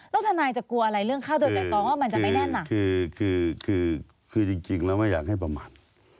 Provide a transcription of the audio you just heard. แล้วทนายจะกลัวอะไรเรื่องข้าวโดยไตรตองว่ามันจะไม่แน่นหนักคือคือจริงแล้วไม่อยากให้ประมาท